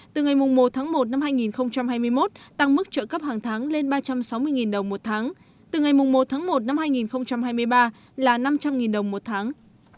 từ ngày một một hai nghìn hai mươi một tăng mức trợ cấp hàng tháng lên ba trăm sáu mươi đồng một tháng từ ngày một một hai nghìn hai mươi ba là năm trăm linh đồng một tháng